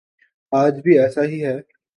آج بھی ایسا ہی ہے۔